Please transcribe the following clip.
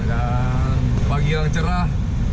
dan pagi yang cerah